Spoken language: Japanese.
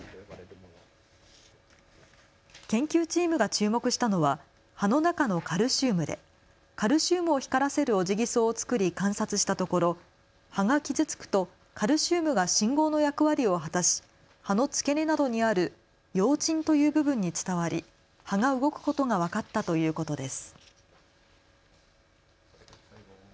研究チームが注目したのは葉の中のカルシウムでカルシウムを光らせるオジギソウを作り観察したところ葉が傷つくとカルシウムが信号の役割を果たし葉の付け根などにある葉枕という部分に伝わり葉が動くことが分かったということです。